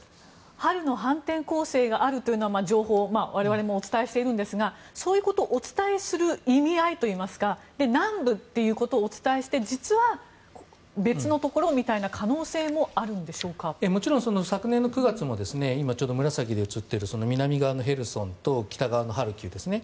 春の反転攻勢があるという情報を我々もお伝えしているんですがそういうことをお伝えする意味合いといいますか南部ということをお伝えして実は、別のところみたいなもちろん昨年の９月も今、ちょうど紫で写っている南側のヘルソンと北側のハルキウですね。